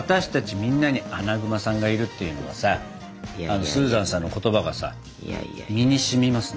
みんなにアナグマさんがいるっていうのもさスーザンさんの言葉がさ身にしみますね。